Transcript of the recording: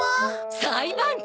裁判長！